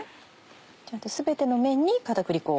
ちゃんと全ての面に片栗粉を。